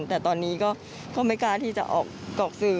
แต่ตอนนี้ก็ไม่กล้าที่จะออกสื่อ